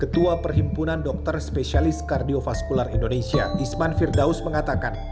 ketua perhimpunan dokter spesialis kardiofaskular indonesia isman firdaus mengatakan